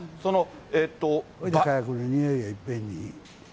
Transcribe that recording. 火薬の臭いがいっぺんに。